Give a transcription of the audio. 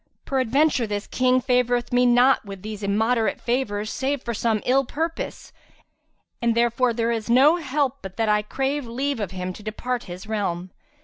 Peradventure, this King favoureth me not with these immoderate favours save for some ill purpose and, therefore, there is no help but that I crave leave of him to depart his realm."